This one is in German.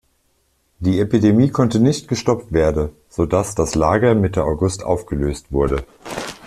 Die Epidemie konnte nicht gestoppt werde, sodass das Lager Mitte August aufgelöst wurde.